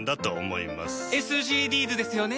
ＳＧＤｓですよね。